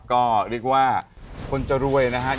ก็เรียกว่าคนจะรวยนะครับ